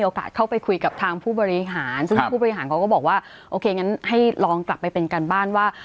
โอเคอย่างนั้นให้ลองกลับไปเป็นการบ้านว่า